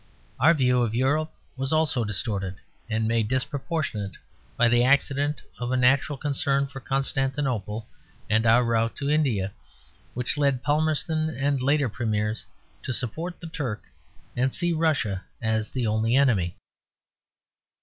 Our view of Europe was also distorted and made disproportionate by the accident of a natural concern for Constantinople and our route to India, which led Palmerston and later Premiers to support the Turk and see Russia as the only enemy.